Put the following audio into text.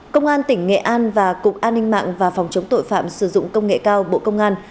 công an tỉnh nghệ an và cục an ninh mạng và phòng chống tội phạm sử dụng công nghệ cao bộ công an